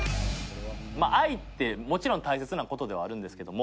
愛ってもちろん大切なことではあるんですけども。